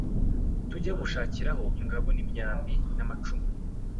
tujye gushakira ingabo imyambi n’amacumu